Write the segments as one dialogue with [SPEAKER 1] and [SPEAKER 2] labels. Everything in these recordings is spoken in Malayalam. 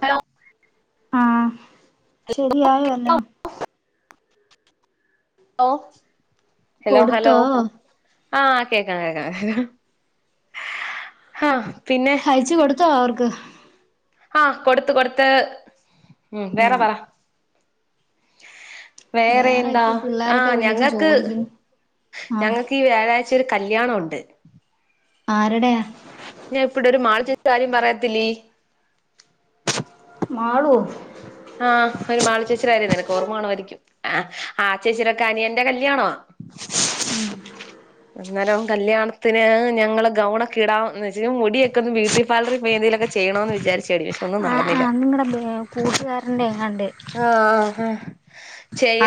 [SPEAKER 1] ഹലോ
[SPEAKER 2] ആ ശരിയായോ എല്ലാം
[SPEAKER 1] ഹലോ
[SPEAKER 2] കൊടുത്തോഓ
[SPEAKER 1] ആ കേക്കാം കേക്കാം കേക്ക ആ
[SPEAKER 2] അയച്ച്കൊടു ന്തോ അവർക്ക്
[SPEAKER 1] ആകൊടുത്ത കൊടുത്ത് ഉം വേറെ പറ വേറെ എന്താ
[SPEAKER 2] ഇപ്പൊ
[SPEAKER 1] ആ
[SPEAKER 2] പിള്ളോരൊക്കെ വിളിച്ചു
[SPEAKER 1] ഞങ്ങക്ക്
[SPEAKER 2] ചോദിക്കുന്നു ആഹ്
[SPEAKER 1] ഞങ്ങക്ക് ഈ വ്യാഴാഴ്ച കല്യാണം ഉണ്ട്
[SPEAKER 2] ആരടയാ
[SPEAKER 1] ഞാൻ ഇപ്പട ഒരു മാളു ചേച്ചിടെകാര്യം പറയത്തില്ലേ
[SPEAKER 2] മാളു ഒ
[SPEAKER 1] ആഹ് ആ ആ ചേച്ചിടെക്ക അനിയന്റെ കല്യാണോ
[SPEAKER 2] [unintelligible]
[SPEAKER 1] അന്നരം കല്യണത്തിന് ഞങ്ങള്ൾ ഗൗണൊക്കെ ഇടാന്ന് വച്ച മുടിയൊക്കെ ഒന്ന് ബ്യൂട്ടി പാർലറി പാേമഎന്തങ്കലൊക്കെ ചെയ്യണമന്ന് വിചാരിച്ചു [unintelligible]
[SPEAKER 2] ആഹ്
[SPEAKER 1] നടന്നില്ല
[SPEAKER 2] ആഹ് നിങ്ങടെ കൂട്ടുകാരന്റെ എങ്ങാണ്ട്
[SPEAKER 1] ആ ആ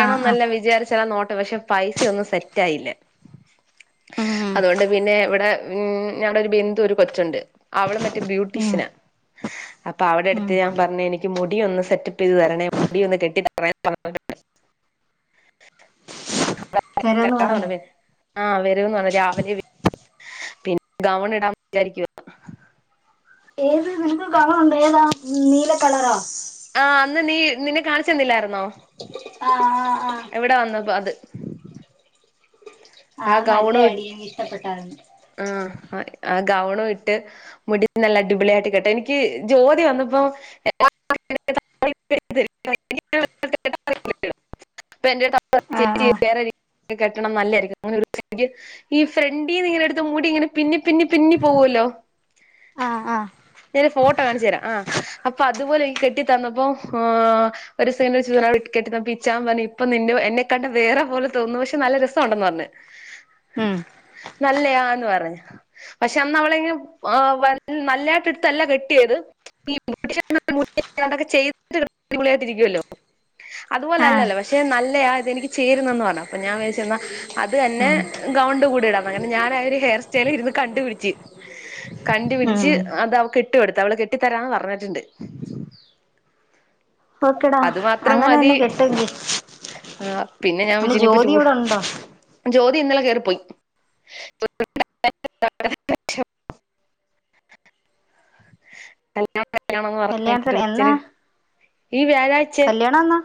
[SPEAKER 2] ആഹ് ആഹ്
[SPEAKER 1] [unintelligible] പക്ഷെ പൈസ ഒന്നും സെറ്റ് ആയില്ല
[SPEAKER 2] ഉം
[SPEAKER 1] അതുകൊണ്ട് പിന്നെ ഇവിടെ ഉ ഞമ്മടെ ഒരു ബന്ധു ഒരു കൊച്ചുണ്ട് അവൾ മെ
[SPEAKER 2] ഉം
[SPEAKER 1] ബ്യൂട്ടീഷ്യന അപ്പൊ അവിടെ
[SPEAKER 2] ഉം
[SPEAKER 1] അടുത്ത് ഞാൻ പറഞ്ഞ എനിക്ക് മുടി ഒന്ന് സെറ്റപ്പ് ചെയ്ത് തരണേ മുടി ഒന്ന് കെട്ടി
[SPEAKER 2] തരാന്ന്
[SPEAKER 1] [unintelligible]
[SPEAKER 2] പറഞ്ഞോ
[SPEAKER 1] വ [inaudible] ആ. വരന്ന് പറഞ്ഞാ രാവിലെ പിന്നെ ഗവൺ ഇടാ വിചാരിക്കുവ
[SPEAKER 2] ഏത് വി കണറുണ്ട് ഏതാ നീല കളറാ
[SPEAKER 1] ആ അന്ന് നീ നിന്നെ കാണിച്ചന്നില്ലായിരുന്നോ
[SPEAKER 2] ആആആ
[SPEAKER 1] അത്
[SPEAKER 2] ആ നല്ല
[SPEAKER 1] ഗൗണും ഇട്ട്
[SPEAKER 2] അടി എനിക്ക്ഇഷ്ടപ്പെട്ടാറരുന്നു
[SPEAKER 1] ആ ആ ഗൗണും ഇട്ട് മുടി നല്ല അടിപൊളിയായിട്ട് കേട്ടെ എനിക്ക് ജോതിവന്നപ്പോ [unintelligible] [unintelligible] ചേച്ചി
[SPEAKER 2] ആഹ് ആഹ്
[SPEAKER 1] [unintelligible] കെട്ടണം നല്ലതായിരിക്കും [unintelligible] അനക്ക് ഈ ഫ്രണ്ടി നിങ്ങ മുടി ഇങ്ങനെ പിന്നെ പിന്നെ പിന്നി പോകല്ലോ
[SPEAKER 2] ആഹ് ആഹ്
[SPEAKER 1] [unintelligible] ഫോട്ടോ കാണിച്ചു തരാം ആ് അപ്പൊ അതുപോലെ എനിക്ക് കെട്ടി തന്നപ്പോ ഒരു സ [unintelligible] ഒരു കേട്ടി തന്നുച്ചാ പറ ഇപ്പ നിന്നെ കണ്ട വേറെ പോലെ തോന്നു പക്ഷെ നല്ല രസംണ്ടെന്ന് പറഞ്ഞഞ്
[SPEAKER 2] ഉം
[SPEAKER 1] [unintelligible] [unintelligible] പറഞ്ഞുപക്ഷെ അന്ന് അവള നല്ലതായിട്ട് എടുത്തല്ല കെട്ടിയത് [unintelligible]
[SPEAKER 2] ആഹ്
[SPEAKER 1] അതുപോലെല്ലല്ലോ പക്ഷെ നല്ലയാ ഇതെനിക്ക് ചേരുന്നന്ന് പറഞ്ഞു അ ഞാൻ വിചാരിച്ചുഅത് തന്നെ
[SPEAKER 2] ഉം
[SPEAKER 1] ഗൗണ്ട് കൂടിടാം ഞാൻ ആ ഒരു ഹെയർ സ്റ്റൈൽ ഇരുന്ന് കണ്ടുപിടിച്ച് കണ്ടുപിടിച്ച്
[SPEAKER 2] ഉം
[SPEAKER 1] അത് അവക്ക് ഇ [unintelligible] ഇട്ട് എടുത്ത്അവള് കെട്ടിത്തരാന്ന് പറഞ്ഞിട്ടുണ്ട്
[SPEAKER 2] ഓക്കെടാ
[SPEAKER 1] അത്
[SPEAKER 2] അങ്ങനെ തന്നെ കെട്ടെ [unintelligible]
[SPEAKER 1] ആ
[SPEAKER 2] ജോലി ഇവിടെ ഉണ്ടോ
[SPEAKER 1] ജ്യോതി ഇന്നലെ കയറിപ്പോയി [unintelligible] അ [unintelligible] [unintelligible]
[SPEAKER 2] കല്യാണത്തിന് എന്നാ
[SPEAKER 1] പറഅച്ഛന് ഈ വ്യാഴാഴ്ച
[SPEAKER 2] കല്യാണം എന്നാ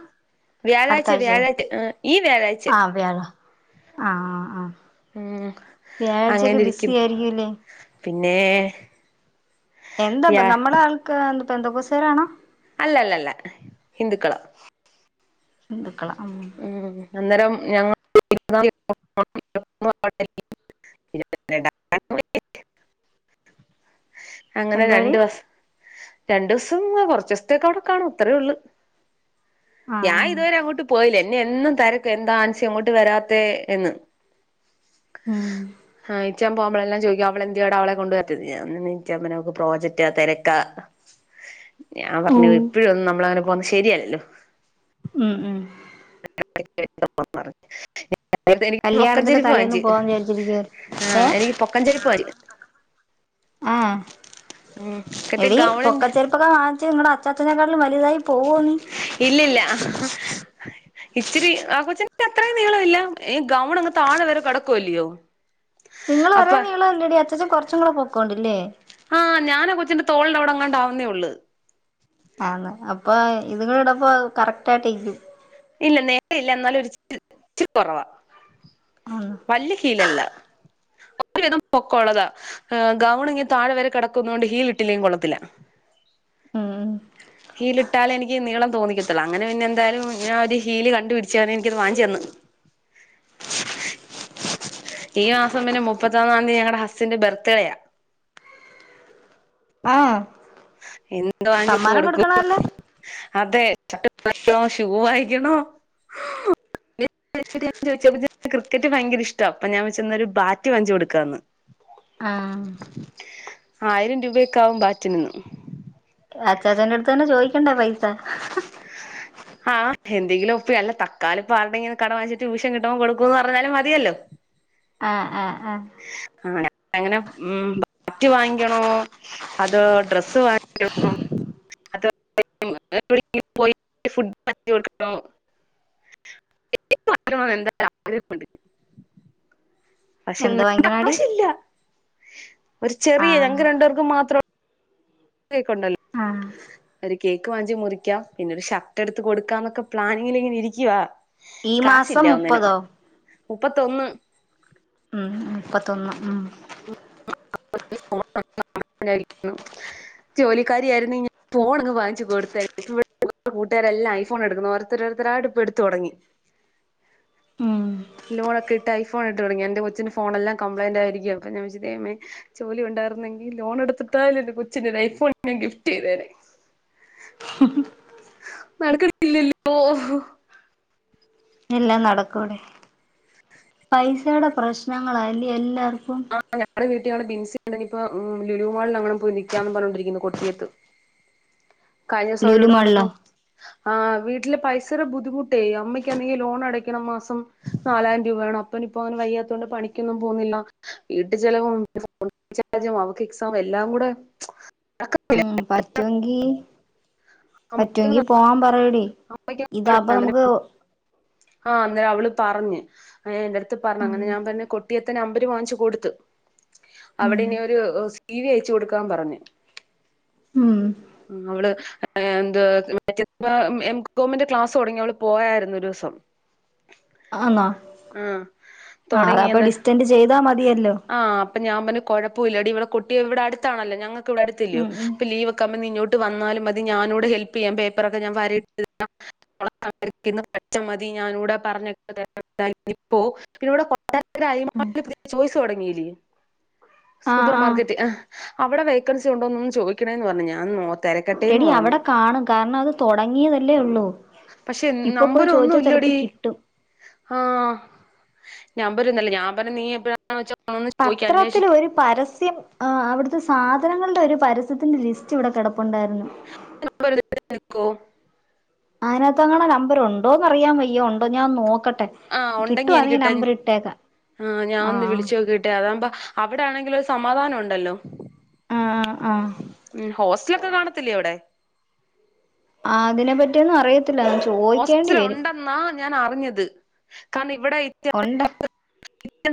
[SPEAKER 2] അടുത്ത
[SPEAKER 1] വ്യാഴാഴ്ച്ച
[SPEAKER 2] ആഴ്ചയോ
[SPEAKER 1] വ്യാഴാഴ്ച ങ ഈ വ്യാഴാഴ്ച.
[SPEAKER 2] ആ വ്യാഴം ആ ആ ആ
[SPEAKER 1] ഉം അങ്ങനെ
[SPEAKER 2] വ്യാഴാഴ്ചയൊക്കെ ബിസി
[SPEAKER 1] ഇരിക്കും,
[SPEAKER 2] ആയിരിക്കൂല്ലേ
[SPEAKER 1] പിന്നെ വ്യാ
[SPEAKER 2] എന്താപ്പ നമ്മള ആൾക്കാർ പെന്തക്കോസുകാരാണൊ?
[SPEAKER 1] അല്ലല്ലല്ല ഹിന്ദുക്കളാ
[SPEAKER 2] ഹിന്ദു.
[SPEAKER 1] ഉം അന്നേരം ഞങ്ങ [unintelligible] അങ്ങനെ
[SPEAKER 2] എന്താടി
[SPEAKER 1] രണ്ടുദിവസം രണ്ടു ദിവസം, കുറച്ചു ദിവസത്തേക്കെ അവിടെ കാണും, അത്രേയുള്ളു ഉള്ളു.
[SPEAKER 2] ആ
[SPEAKER 1] ഞാൻ
[SPEAKER 2] ആ
[SPEAKER 1] ഇതുവരെ അങ്ങോട്ട് തില് എന്നെ എന്നും തിരക്കും എന്താ ആൻസി അങ്ങോട്ട് വരാത്ത എന്ന്.
[SPEAKER 2] ഉം
[SPEAKER 1] ആഇ ച്ചാൻ പോകുമ്പളെല്ലാം ചോദിക്കും അവളെന്ത്യട അവളെ കൊണ്ട് വരട്ടെ എന്ന് ഞാൻ പിന്നെ [unintelligible] അവൾക്കു പ്രോജക്റ്റ് തിരക്കാ ഞാൻ പറഞ്ഞു ഇപ്പോഴൊന്നും നമ്മള അങ്ങനെ പോന്ന ശരിയല്ലല്ലോ
[SPEAKER 2] ഉം ഉം
[SPEAKER 1] [unintelligible] [unintelligible] പൊക്ക
[SPEAKER 2] കല്യാണത്തിന്റെ
[SPEAKER 1] ഞ്ചെരിപ്പ്
[SPEAKER 2] തലേന്ന്
[SPEAKER 1] വാങ്ങിച്ചു
[SPEAKER 2] പോവാന്ന് വിചാരിച്ചിരിക്കുവാ
[SPEAKER 1] ങാ
[SPEAKER 2] ഏ
[SPEAKER 1] എനിക്ക് പൊക്കഞ്ചെരിപ്പ് വാങ്ങിച്ചു.
[SPEAKER 2] ആ
[SPEAKER 1] ഉം മറ്റേ
[SPEAKER 2] എടി പൊക്ക
[SPEAKER 1] ഗൗണിന്റെ
[SPEAKER 2] ചെരുപ്പൊക്കെ വാങ്ങിച്ചു നിങ്ങളടെ അച്ചച്ചനേക്കാട്ടും വലുതായി പോവാ നീ
[SPEAKER 1] ഇല്ലില്ല ഇച്ചിരി ആ കൊച്ചിന്റെ അത്രയും നീള ഇല്ല ഈ ഗൗൺ അങ്ങ് താഴെ വരെ കിടക്കുവല്ലയോ
[SPEAKER 2] നിങ്ങൾ
[SPEAKER 1] അപ്പ
[SPEAKER 2] ഒരേ നീള അല്ലേ ഡി അച്ചാച്ചൻ കുറച്ചു കൂടെ പൊ കൊണ്ടില്ലേ
[SPEAKER 1] ആ ഞാൻ കൊച്ചിന്റെ തോളിന്റെ അവിടെ അങ്ങാണ്ട ആാവുന്നേ ഉളള്
[SPEAKER 2] ആന്ന് അപ്പൊ ഇതങ്ങ ഉടുമ്പൊ കറക്റ്റ് ആയിട്ട ഇരിക്കും.
[SPEAKER 1] ഇല്ല നേര ഇല്ല എന്നാലും ഒരു ച്ചിൽ ഇച്ചിരി കുറവാ
[SPEAKER 2] ആന്ന്
[SPEAKER 1] വലിയ ഹിൽ അല്ല ഒരുവിധ പൊക്കള്ളതാ ഗൗൺ ഇങ്ങ താഴെ വരെ കിടക്കുന്ന കൊണ്ട് ഹീൽ ഇട്ടില്ലെങ്ക കൊള്ളത്തില്ല
[SPEAKER 2] ഉം
[SPEAKER 1] ഹീലിട്ടാലേ എനിക്ക് നീളം തോന്നിക്കത്തുള്ളൂ അങ്ങനെ പിന്നെ എന്തായാലും ഞാൻ ഒരു ഹീല് കണ്ടുപിടിച്ച് അത് എനിക്കത് വാങ്ങിച്ചു തന്നു ഈ മാസം പിന്നെ മുപ്പത്തൊന്നാം തീയതി ഞങ്ങളടെ ഹസ്സിന്റെ ബർത്തിടെയാ.
[SPEAKER 2] ആഹ്
[SPEAKER 1] എൻ എന്തോ വാങ്ങിച്ചിട്ട്
[SPEAKER 2] സമ്മാനം
[SPEAKER 1] കൊടുക്കു,
[SPEAKER 2] കൊടുക്കണല്ലോ
[SPEAKER 1] [unintelligible] അതെ. [unintelligible] ഷൂവ് വായിക്കണോ [inaudible] [unintelligible] ക്രിക്കറ്റ് ഭയങ്കര ഇഷ്ടാ അപ്പ ഞാൻ വച്ച് ഒരു ബാറ്റ് വങ്ങ്ച്ചു കൊടുക്കാന്ന്.
[SPEAKER 2] ങഅ
[SPEAKER 1] ആയിരം രൂപയക്കെ ആവും ബാറ്റിനന്ന്
[SPEAKER 2] അച്ചാച്ചന്റെ അടുത്ത് തന്നെ ചോയിക്കണ്ടേ പൈസ.
[SPEAKER 1] ആഹ് എന്തെങ്കിലും ഒപ്പേ അല്ല തക്കാലം ഇപ്പ ആരുടെങ്കിലും കടം വാങ്ങിച്ചിട്ട് ടൂഷം കിട്ടുമ്പോ കൊടുക്കന്ന് പറഞ്ഞാലും മതിയല്ലോ
[SPEAKER 2] ആഹ് ആഹ് ആഹ്
[SPEAKER 1] അങ്ങനെ മ്മ് ബാറ്റ് വാങ്ങിക്കണോ അതോ ഡ്രസ്സ് വാങ്ങിക്കണോ അത് [unintelligible] [unintelligible] പക്ഷെ
[SPEAKER 2] എന്ത്
[SPEAKER 1] [unintelligible]
[SPEAKER 2] വാങ്ങിക്കണാടി
[SPEAKER 1] കാശില്ല ഒരു ചെറിയ
[SPEAKER 2] ആഹ്
[SPEAKER 1] ഞങ്ങക്ക് രണ്ടുപേർക്കും മാത്രം [unintelligible]
[SPEAKER 2] ആഹ്
[SPEAKER 1] ഒരു കേക്ക് വാങ്ങിച്ച് മുറിക്കാം പിന്നെ ഒരു ഷർട്ട് എടുത്ത് കൊടുക്കാന്നൊക്കെ പ്ലാനിങ്ങിലിങ്ങനെ ഇരിക്കുവാ
[SPEAKER 2] ഈ മാസം
[SPEAKER 1] കാശില്ല ഒന്നിനും
[SPEAKER 2] മുപ്പതോ
[SPEAKER 1] മുപ്പത്തൊന്ന്
[SPEAKER 2] ഉം മുപ്പത്തൊന്ന് ഉം
[SPEAKER 1] [unintelligible] ജോലിക്കാരിയായിരുന്നേ ഞാന് ഫോണങ്ങ് വാങ്ങിച്ചു കൊടുത്തേനെ ഇപ്പോ ഇവിടെ കൂട്ടുകാരല്ലാം ഐഫോൺ എടുക്കുന്നു ഓരോരുതാരോരുത്തരായിട്ട് ഇപ്പ എടുത്തു തൊടങ്ങി
[SPEAKER 2] ഉം
[SPEAKER 1] ലോൺ ഒക്കെ ഇട്ട് ഐഫോൺട്ടു തുടങ്ങി എന്റെ കൊച്ചിന് ഫോണെല്ലാം കംപ്ലയിന്റ് ആയിരിക്ക അപ്പ ഞാൻ വെച്ച് ദൈമേ ജോലി ഉണ്ടാരുന്നെങ്കിൽ ലോൺ എടുത്തിട്ടാലും എന്റെ കൊച്ചിന്റെ ഒരു ഐഫോൺ ഞാൻ ഗിഫ്റ്റ് ചെയ്തേനെ നടക്കണില്ലല്ലോ
[SPEAKER 2] എല്ലാം നടക്കോടെ പൈസടെ പ്രശ്നങ്ങളാ ല്യോ എല്ല
[SPEAKER 1] ആഹ് ഞങ്ങടെ വീട്ടി [unintelligible] ബിൻസി ആണേ ഇപ്പ ഉം ലുലുമാളിൽ എങ്ങണും പോയി നിക്കാന്ന് പറഞ്ഞോണ്ടിരിക്കുന്നു കൊട്ടിയത്ത് കഴിഞ്ഞസോളോ ഇവിടെ
[SPEAKER 2] ലുലുമാളിലോ
[SPEAKER 1] വന്നപ്പോ ആ വീട്ടില് പൈസടെ ബുദ്ധിമുട്ടേ അമ്മയ്ക്കെന്തെങ്കിൽ ലോൺ അടക്കണം മാസം നാലായിരം രൂപ വേണം അപ്പനിപ്പോ അങ്ങനെ വയ്യാത്തോണ്ട് പണിക്കൊന്നും പോകുന്നില്ല വീട്ടു ചെലവും ഫോൺചാർജും അവക്ക് എക്സാം എല്ലാം കൂടെ നടക്കുന്നില്ല
[SPEAKER 2] ഉം പറ്റുവെങ്കി പറ്റുവെങ്കി പോവാൻ പറയടി ഇതമ്പാ നമുക്ക്
[SPEAKER 1] ആഹ് അന്നേരം അവള് പറഞ്ഞ് എന്റെ അടുത്ത് പറഞ്ഞു
[SPEAKER 2] ഉം
[SPEAKER 1] അങ്ങനെ ഞാൻ പറഞ്ഞ കൊട്ടിയത്തെ നമ്പര് വാങ്ങി ച്ചു കൊടുത്ത് അവിടെ
[SPEAKER 2] ഉം
[SPEAKER 1] ഇനി ഒരു സി വി അയച്ചു കൊടുക്കാൻ പറഞ്ഞു
[SPEAKER 2] ഉം
[SPEAKER 1] അവള് എന്ത് [unintelligible] എം കോമിന്റെ ക്ലാസ് തൊടങ്ങി അവള് പോയായിരുന്നു ഒ ദിവസം
[SPEAKER 2] ആന്നോ
[SPEAKER 1] ആഹ്
[SPEAKER 2] ആ അതപ്പൊ
[SPEAKER 1] തൊടങ്ങിയന്ന്
[SPEAKER 2] ഡിസ്റ്റന്റ് ചെയ്താ മതിയല്ലോ
[SPEAKER 1] ആഹ് അപ്പൊ ഞാൻ പറഞ്ഞ് കൊഴപ്പവില്ലടി ഇവിടെ കൊ ട്ടിയം ഇവിടെടുത്താണല്ലോ ഞങ്ങ വിടടുത്തില്യോ
[SPEAKER 2] ഉം ഉം
[SPEAKER 1] അപ്പോ ലീവ് ഒക്കെവുമ്പോ നീ ഇഞ്ഞോ വന്നാലും മതി ഞാനൂടെ ഹെൽപ്പെയ്യാം പേപ്പറൊക്കെ ഞാൻ വരയിട്ട് തരാം [unintelligible] ഞാനൂടെ പറഞ്ഞേക്കെ തരാം [unintelligible] പിന്നെ ഇവിടെ കൊട്ടാരക്കര ഐ മാൾ അതില് പുത്യ ചോയ്സ് തൊടങ്ങീലെ
[SPEAKER 2] ആ
[SPEAKER 1] സൂപ്പർ
[SPEAKER 2] ആ
[SPEAKER 1] മാർക്കെറ്റ് ആഹ് അവിടെ വേക്കൻസി ഉണ്ടോന്നൊന്ന് ചോയ്ക്കണേന്ന് പറഞ്ഞു ഞാൻ നോ തിരക്കട്ടേന്ന്
[SPEAKER 2] എടി
[SPEAKER 1] പറഞ്ഞു
[SPEAKER 2] അവടെ കാണും കാരണം അത് തൊടങ്ങിയതല്ലേ ഒള്ളൂ
[SPEAKER 1] പക്ഷെ നമ്പര് ഒന്നും ഇല്ലടി
[SPEAKER 2] കിട്ടും
[SPEAKER 1] ആ നമ്പരൊന്നല്ല ഞാൻ പറഞ്ഞു നീയെപ്പഴാ
[SPEAKER 2] പത്രത്തില് ഒരു പരസ്യം ആ അവിടുത്തെ സാധനങ്ങളുടെ ഒരു പരസ്യത്തിന്റെ ലിസ്റ്റ് ഇവിടെ കെടപ്പുണ്ടായിരുന്നു.
[SPEAKER 1] നമ്പര് ഇതിലേ [unintelligible] അയക്കോ
[SPEAKER 2] അയ്നകത്തെങ്ങാണ്ടോ നമ്പറുണ്ടോന്നറിയാൻ വയ്യ ഒണ്ടോ ഞാനൊന്ന് നോക്ക
[SPEAKER 1] ആ ഒണ്ടെങ്കി എനിക്കിട്ടെ ആ ഞാനൊന്ന് വിളിച്ചോക്കീട്ടെ അതാവുമ്പോ അവിടെ ആണെങ്കില് ഒരു സമാധാനം ഉണ്ടല്ലോ
[SPEAKER 2] ആ ആ
[SPEAKER 1] മ് ഹോസ്റ്റലൊക്കെ കാണത്തില്ലേ അവിടെ
[SPEAKER 2] ആ അതിനെ പറ്റിയൊന്നും അറിയത്
[SPEAKER 1] ഹോസ്റ്റലുണ്ടെന്നാ ഞാനറിഞ്ഞ ത് കാരണം ഇവിടെ ഇ
[SPEAKER 2] ഉണ്ട്
[SPEAKER 1] [unintelligible]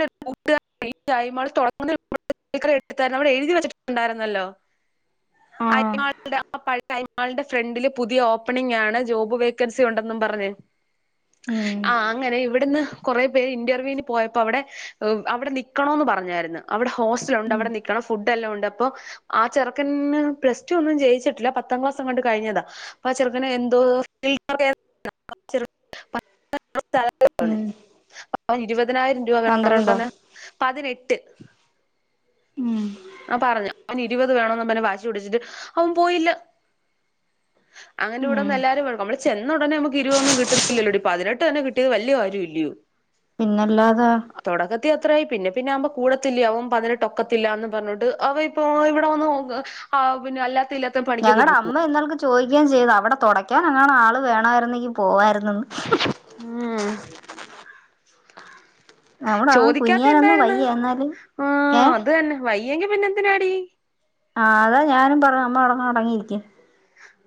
[SPEAKER 1] [unintelligible] കൂട്ടുകാര് [unintelligible] അവിടെ എഴുതി വെച്ചിട്ടുണ്ടായിരുന്നല്ലോ
[SPEAKER 2] ആ
[SPEAKER 1] അ [unintelligible] ആ പഴ [unintelligible] [unintelligible] മാൾടെ ഫ്രണ്ടില് പുതിയ ഓപ്പണിംഗ് ആണ് ജോബ് വേക്കൻസി ഉണ്ടെന്നും പറഞ്ഞ് ആ
[SPEAKER 2] ഉം
[SPEAKER 1] അങ്ങനെ ഇവിടുന്ന് കൊറേ പേര് ഇന്റർവ്യൂന് പോയപ്പോ അവിടെ ഏഹ് അവിടെ നിക്കണോം പറഞ്ഞായിരുന്ന് അവിടെ ഹോസ്റ്റലുണ്ട് അവിടെ നിൽക്കണം ഫുഡ് എല്ലാം ഉണ്ട് അപ്പൊ ആ ചെറുക്കന് പ്ലസ് ടു ഒന്നും ജയിച്ചിട്ടില്ല പത് പത്താം ക്ലാസ് എങ്ങാണ്ട് കഴിഞ്ഞതാ അപ്പൊ ആ ചെർക്കന് എന്തോ [unintelligible] [unintelligible]
[SPEAKER 2] ഉം
[SPEAKER 1] ഇരുവത് പതിനായിരം രൂപ വേണോന്ന്
[SPEAKER 2] പന്ത്രണ്ടോ
[SPEAKER 1] പറഞ്ഞ് എട്ട്
[SPEAKER 2] ഉം
[SPEAKER 1] ആ പറഞ്ഞ് അവന് ഇരുപത് വേണന്നും പറഞ്ഞ് വാശി പിടിച്ചിട്ട് അവൻ പോയില്ല, അവന്റെ കൂടെ
[SPEAKER 2] ഉം
[SPEAKER 1] അന്ന് എല്ലാരും വഴക്ക് നമ്മള് ചെന്ന ഉടനെ നമുക്ക് ഇരുപതൊന്നും കിട്ടില്ലല്ലോടി പതിനെട്ട് തന്നെ കിട്ടിയത് വല്യ കാര്യം അല്ലിയോ
[SPEAKER 2] പിന്നല്ലാതെ
[SPEAKER 1] തൊടകത്തി അത്രായി പിന്നെ പിന്നെ ആമ്പോ കൂടത്തില്ലേ അവൻ പതിനെട്ടൊക്കത്തില്ലാന്നും പറഞ്ഞിട്ട് അവനിപ്പോ ഇവിടെ വന്ന് നോ ആ പിന്നെ അല്ലാത്
[SPEAKER 2] ഞങ്ങടെ അമ്മ എന്നാൾക്ക് ചോയ് യും ചെയ്തു അവിടെ തുടക്കാന കേം ക്കേം ചെയ്ത് അവടെ തൊടക്കാൻ എങ്ങാനും ആള് വേണായിരുന്നെങ്കി പോവായിരു ന്നെന്ന്
[SPEAKER 1] ഉം
[SPEAKER 2] നമ്മടെ [unintelligible]
[SPEAKER 1] ചോദിക്കാത്ത
[SPEAKER 2] കുനിയാനൊന്നും
[SPEAKER 1] എന്തായിരുന്നു
[SPEAKER 2] വയ്യ എന്നാലും
[SPEAKER 1] യ്യെങ്കി പിന്നെ എന്തിനാടി
[SPEAKER 2] ആഹ് അതാ ഞാനും പറഞ്ഞ അമ്മ അവടെ അടങ്ങിയിരിക്ക്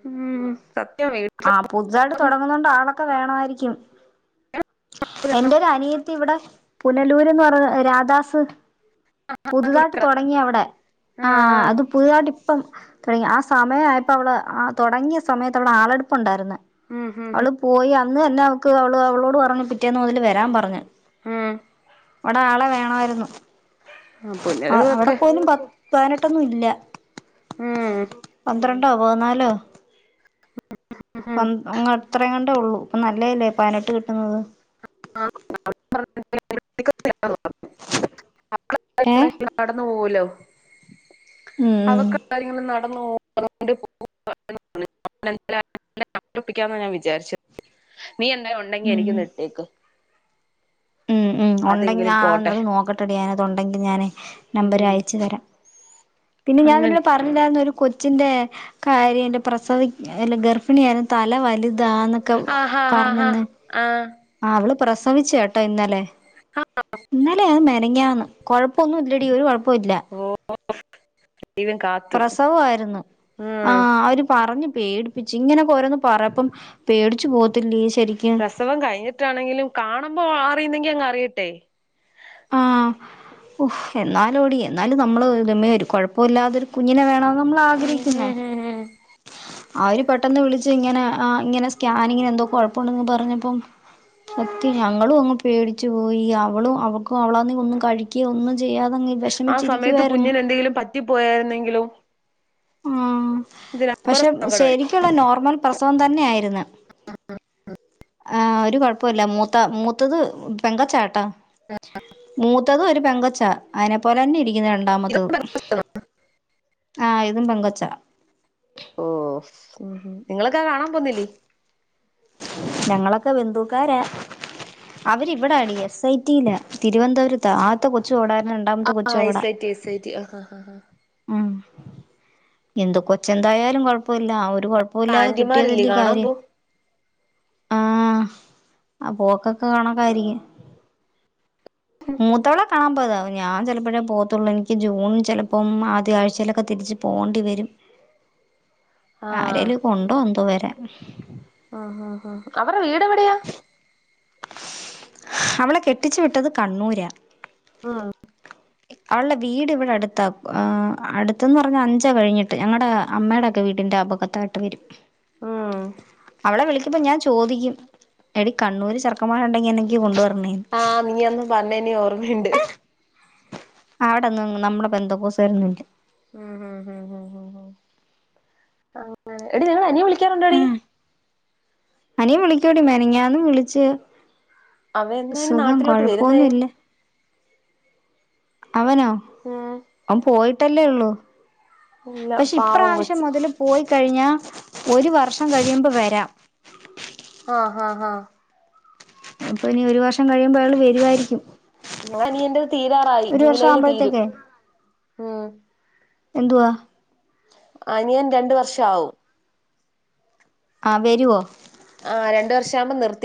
[SPEAKER 1] ഉം സത്യം വി
[SPEAKER 2] ആഹ് പുതുതായിട്ട് തുടങ്ങുന്നണ്ട് ആണ് ഒക്കെ വേണമായിരിക്കും എന്റെ ഒരു അനിയത്തി ഇവിടെ പുനലൂര്ന്ന് പറഞ്ഞ രാദാസ്
[SPEAKER 1] വീടിനകത്തൂടി
[SPEAKER 2] പുതുതായിട്ട് തുടങ്ങിയ അവിടെ ആ അത് പുതുതായിട്ട് ഇപ്പം ആ സമയ ആയപ്പ അവൾ തുടങ്ങിയ ആ സമയത്ത് അവള് ആളെടു ഇപ്പുണ്ടായിരുന്
[SPEAKER 1] ഉം ഉം ഉം
[SPEAKER 2] അവള് പോയി ആ അന്ന് തന്നെ അവക്ക് അവള് അവളോട് പറഞ് പിറ്റേന്ന് മുതൽ വരാൻ പറഞ്
[SPEAKER 1] മ്മ്
[SPEAKER 2] ഇവിടെ ആളെ വേണമായിരുന്നു
[SPEAKER 1] ആ
[SPEAKER 2] ആ അവിടെ
[SPEAKER 1] പുനരവൊക്കെ
[SPEAKER 2] പോലും പ വാനട്ടൊന്നും ഇല്ല
[SPEAKER 1] ഉം
[SPEAKER 2] പന്ത്ര ണ്ടോ പോന്നാലോ
[SPEAKER 1] ഉം
[SPEAKER 2] പ ങ്ങ് അത്ര ത്രോ ഉള്ളൂ ഇപ്പൊ നല്ലതല്ലേ പനട്ട് കിട്ടുന്നത് ഏഹ്
[SPEAKER 1] [unintelligible] നടന് പോലോ
[SPEAKER 2] ഉം
[SPEAKER 1] അവക്
[SPEAKER 2] ഉം
[SPEAKER 1] കാര്യങ്ങള് നട [unintelligible] ഞാൻ വിചാരിചെ നീ എന്തെ ഉണ്ടെങ്കി
[SPEAKER 2] ഉം
[SPEAKER 1] എനിക്കി ന്നിട്ടേക്ക്
[SPEAKER 2] ഉം ഉ ഉണ്ടെങ്കിൽ ഞ
[SPEAKER 1] പോട്ടെ
[SPEAKER 2] അത് നോക്കട്ടെടി ഞാനത് ഉണ്ടെങ്കിൽ ഞാന് നമ്പര്
[SPEAKER 1] ഉം
[SPEAKER 2] അയച്ചു തരാ പിന്നെ ഞാൻ
[SPEAKER 1] അങ്ങനെ
[SPEAKER 2] നിന്നോട് പറഞ്ഞില്ലായിരുന്നോ ഒരു കൊ ച്ചിന്റെ കാര്യംന്റെ പ്രസവി ഗർഭിണിയാലും തല വലു താന്നൊക്കെ
[SPEAKER 1] ആഹാഹാഹാ
[SPEAKER 2] പറഞ്ഞന്ന്
[SPEAKER 1] ആഹ്
[SPEAKER 2] അവള് പ്രസവിച്ചി കേട്ടോ ഇന്നലെ ഇന്നലെയ മിങ്ങയന്ന് കുഴപ്പ ഒന്നും ഇല്ലടി ഒരു കുഴപ്പവും ഇല്ല
[SPEAKER 1] ഓ ദൈവം കാത്തു
[SPEAKER 2] പ്രസവായിരുന്നു ആ
[SPEAKER 1] ഉം
[SPEAKER 2] അവര് പറഞ്ഞു പേടി [unintelligible] രന്ന് പറയപ്പം പേടിച്ചു പോ ത്ത് ലീസ്
[SPEAKER 1] പ്രസവം കഴിഞ്ഞിട്ടാണെങ്കിലും കാണുമ്പ ആ റിയുന്നെങ്കി അങ്ങ് അറിയട്ടെ
[SPEAKER 2] ആ ഓ എന്നാലോടി എന്നാലും നമ്മള് ന്റെമ്മേ ഒരു കൊഴപ്പാെല്ലാതൊരു കുഞ്ഞിനെ വേണ നമ്മള്
[SPEAKER 1] ഉം
[SPEAKER 2] ആഗ്രഹിക്ക്ന്നേ
[SPEAKER 1] ഉം ഉം ഉം
[SPEAKER 2] അവര് പെട്ടെന്ന് വിളിച്ച് ഇങ്ങനെ ആ ഇങ്ങനെ സ്കാനിങ്ങിന് എന്തോ കുഴപ്പുണ്ടന്ന് പറഞ്ഞപ്പം സത്യം ഞങ്ങളും അങ്ങ് പേടിച്ചു പോയി അവളും അവൾക്ക്‌ അവളാ ഒന്നും കഴിക്കെ ഒന്നും ചെയ്യാതങ്ങ്
[SPEAKER 1] ആ സമയത്ത്
[SPEAKER 2] വിഷമിച്ചിരിക്കുവായിരുന്നു
[SPEAKER 1] കുഞ്ഞിന് എന്തെങ്കിലും പറ്റിപ്പോയാരുന്നെങ്കിലോ
[SPEAKER 2] ആ പക്ഷെ
[SPEAKER 1] ഇതിനപ്പുറം സങ്കടമായി
[SPEAKER 2] ശരിക്കുള്ള നോർമൽ പ്രസ വം തന്നെ ആയിരുന്ന്
[SPEAKER 1] ആ ആ ആ
[SPEAKER 2] ആ ഒരു കുഴപുല്ല മൂത്ത മൂത്തത് പെങ്കൊച്ചാട്ടോ മൂത് തും ഒരു പെങ്കൊച്ച അയിനെ പോലെ തന്നെ ഇരിക്കുന്നു രണ്ടാമത്തതും ആ ഇതും പെങ്കൊച്ചാ
[SPEAKER 1] ഓ നിങ്ങളൊക്കെ കാണാൻ പോന്നില്ലേ
[SPEAKER 2] ഞങ്ങളൊക്കെ ബന്ധുക്കാരാ അവര് ഇവിടാടി എസ് ഐറ്റിയിലാ തിരുവനന്തപുരത്താ ആദ്യത്തെ കൊച്ചുവിട
[SPEAKER 1] ആ [unintelligible]
[SPEAKER 2] ഉം എന്ത് കൊച്ച് എന്തായാലും കൊഴപ്പല്ല ആ ഒ ഒരു കുഴപ്പുല്ലാതെ കിട്ടിയത്
[SPEAKER 1] ആന്റിമാരില്ലേ
[SPEAKER 2] വല്ല്യ
[SPEAKER 1] കാണാൻ
[SPEAKER 2] കാര്യം
[SPEAKER 1] പോ
[SPEAKER 2] ആ പോക്കൊക്കെ കാണക്കായിരിക്കും മൂത്തവളെ കാണാൻ പോയതാ ഞാൻ ചിലപ്പോഴേ പോവതൊള്ളു എനിക്ക് ജൂൺ ചിലപ്പം ആദ്യ ആഴ്ചയിലൊക്കെ തിരിച്ച് പോണ്ടി വരും ആരേലും കൊണ്ടോ എന്തോ വ
[SPEAKER 1] ആ ആ അവരുടെ വീട് എ
[SPEAKER 2] അവളെ കെട്ടിച്ച് വിട്ടത് കണ്ണൂരാ
[SPEAKER 1] ആ
[SPEAKER 2] അവളുടെ വീട് ഇവിടെ അടുത്താ ആ അടുത്തെന്ന് പറഞ്ഞാ അഞ്ച കഴിഞ്ഞിട്ട് ഞങ്ങടെ അമ്മെടെ ഒക്കെ വീടിന്റെ അപകത്തായിട്ട് വെരും
[SPEAKER 1] ആ
[SPEAKER 2] അവളെ വിളിക്കുമ്പോ ഞാൻ ചോദിക്കും എടി കണ്ണൂര് ചെർക്കമാര് ഉണ്ടെങ്കി എനിക്ക് കൊണ്ട് വ
[SPEAKER 1] ആ നീ അന്ന് പർണെനെ ഓർമ്മ ഇണ്ട്
[SPEAKER 2] അവ്ടെന്നും നമ്മളെ ബന്ത്കോസരൊന്നും ഇല്ല
[SPEAKER 1] ഉം ഉം ഉം ഉം ഉം ഉം അങ്ങനെ എടി നിങ്ങളെ അനിയൻ വിളി ക്കാറുണ്ടെടി
[SPEAKER 2] അനിയൻ വിളിക്കും എടി മെനഞാന്നു വിളിച്ച്
[SPEAKER 1] അവൻ എന്നാ ഇനി
[SPEAKER 2] സുഖം
[SPEAKER 1] നാട്ടിലോട്ട് വെരുന്നെ
[SPEAKER 2] കൊഴപ്പൊന്നുല്ല അവനോ
[SPEAKER 1] ഉം
[SPEAKER 2] അവൻ പോയിട്ടല്ലെ ഒള്ളു
[SPEAKER 1] ഇല്ല
[SPEAKER 2] പക്ഷെ
[SPEAKER 1] പാവം
[SPEAKER 2] ഇപ്രാവശ്യം
[SPEAKER 1] കൊച്ച്
[SPEAKER 2] മുതല് പോയി കഴിഞ്ഞ ഒരു വർഷം കഴിയുമ്പോ വരാം
[SPEAKER 1] ആഹ് ഹ ഹഹ
[SPEAKER 2] അപ്പൊ ഇനി ഒരു വർഷം കഴിയുമ്പോ അയാള് വരുവായിരിക്കും
[SPEAKER 1] ങ്ങനേ എൻ്റേത് തീരാറായി
[SPEAKER 2] ഒരു വർഷം
[SPEAKER 1] ജൂലൈയിൽ തീരും
[SPEAKER 2] ആവുമ്പോഴത്തേക്കെ
[SPEAKER 1] ഉം
[SPEAKER 2] എന്തുആ
[SPEAKER 1] ആ ഞാൻ രണ്ടു വർഷാവും
[SPEAKER 2] ആഹ വേരുഓ
[SPEAKER 1] ആ രണ്ട് വർഷാവുമ്പോ നിർത്തി